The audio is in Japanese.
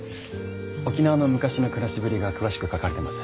沖縄の昔の暮らしぶりが詳しく書かれてます。